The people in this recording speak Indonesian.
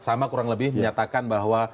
sama kurang lebih menyatakan bahwa